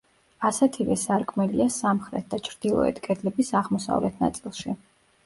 ასეთივე სარკმელია სამხრეთ და ჩრდილოეთ კედლების აღმოსავლეთ ნაწილში.